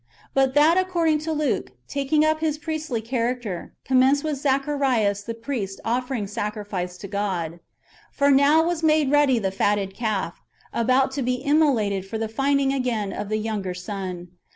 ^ But that according to Luke, taking up [His] priestly character, commenced with Zacharias the priest offering sacrifice to God. For now was made ready the fatted calf, about to be immolated for ^ the finding again of the younger son.